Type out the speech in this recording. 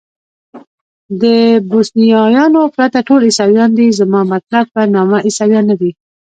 د بوسنیایانو پرته ټول عیسویان دي، زما مطلب په نامه عیسویان نه دي.